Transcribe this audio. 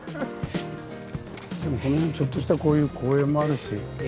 でもこの辺ちょっとしたこういう公園もあるし。